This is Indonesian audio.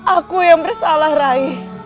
aku yang bersalah rai